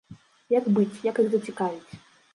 Як быць, як іх зацікавіць?